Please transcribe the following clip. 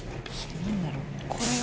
何だろう？